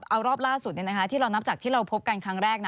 เอารอบล่าสุดที่เรานับจากที่เราพบกันครั้งแรกนะ